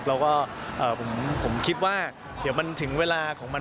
แล้วก็ผมคิดว่าเดี๋ยวมันถึงเวลาของมัน